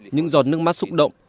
những giọt nước mắt xúc động